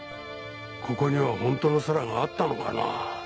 ここにはほんとの空があったのかなぁ。